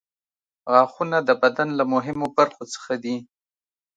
غاښونه د بدن له مهمو برخو څخه دي.